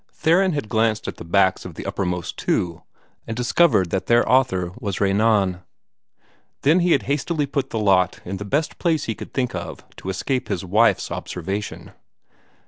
Theron had glanced at the backs of the uppermost two, and discovered that their author was Renan. Then he had hastily put the lot in the best place he could think of to escape his wife's observation.